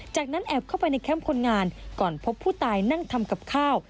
จากนั้นแอบเข้าไปในแคมป์คนงานก่อนพบผู้ตายนั่งทำกับข้าว